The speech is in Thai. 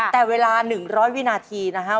แต่เวลา๑๐๐วินาทีนะฮะ